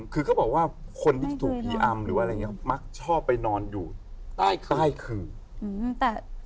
ขือก็บอกว่าคนที่ถูกผีอำหรืออะไรอย่างนี้มักชอบไปนอนอยู่ใต้ขือ